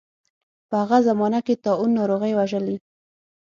په هغه زمانه کې طاعون ناروغۍ وژلي.